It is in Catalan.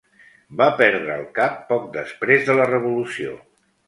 Va perdre el cap poc després de la Revolució.